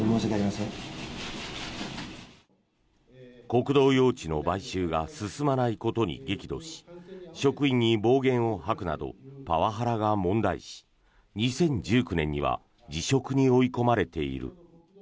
国道用地の買収が進まないことに激怒し職員に暴言を吐くなどパワハラが問題視２０１９年には辞職に追い込まれている。